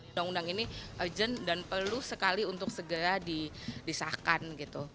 undang undang ini urgent dan perlu sekali untuk segera disahkan gitu